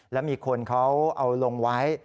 แล้วมีคนเขาเอาลงไว้